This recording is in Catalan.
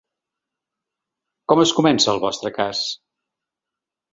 Com comença el vostre cas?